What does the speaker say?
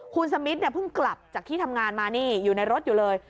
คุณสมิทเนี่ยเพิ่งกลับจากที่ทำงานมานี่อยู่ในรถอยู่เลย